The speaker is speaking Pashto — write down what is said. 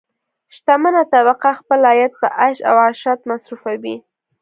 شتمنه طبقه خپل عاید په عیش او عشرت مصرفوي.